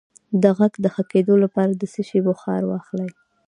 د غږ د ښه کیدو لپاره د څه شي بخار واخلئ؟